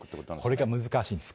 ここれが難しいんです。